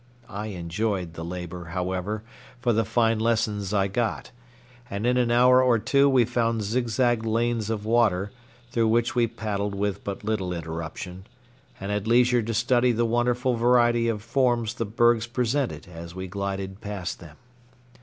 I enjoyed the labor, however, for the fine lessons I got, and in an hour or two we found zigzag lanes of water, through which we paddled with but little interruption, and had leisure to study the wonderful variety of forms the bergs presented as we glided past them.